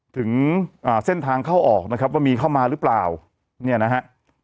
ถึงอ่าเส้นทางเข้าออกนะครับว่ามีเข้ามาหรือเปล่าเนี่ยนะฮะ